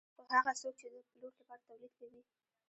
خو هغه څوک چې د پلور لپاره تولید کوي